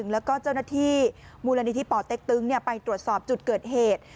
แล้วก็เจ้าหน้าที่มูลณีที่ปเต๊กตึ้งเนี่ยไปตรวจสอบจุดเกิดเหตุ